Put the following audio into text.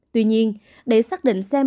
tuy nhiên để xác định xem